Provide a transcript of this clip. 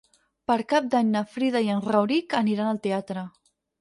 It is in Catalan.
Per Cap d'Any na Frida i en Rauric aniran al teatre.